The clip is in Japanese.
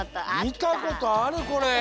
みたことあるこれ！